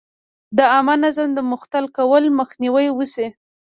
د عامه نظم د مختل کولو مخنیوی وشي.